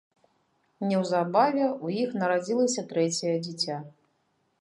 Неўзабаве ў іх нарадзілася трэцяе дзіця.